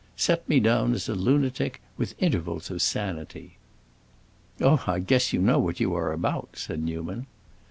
Set me down as a lunatic with intervals of sanity." "Oh, I guess you know what you are about," said Newman.